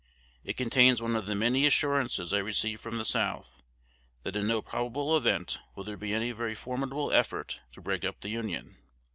It contains one of the many assurances I receive from the South, that in no probable event will there be any very formidable effort to break up the Union.